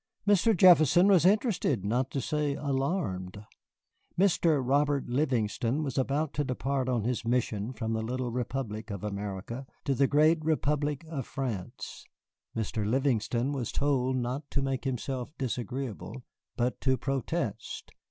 Mr. Jefferson was interested, not to say alarmed. Mr. Robert Livingston was about to depart on his mission from the little Republic of America to the great Republic of France. Mr. Livingston was told not to make himself disagreeable, but to protest.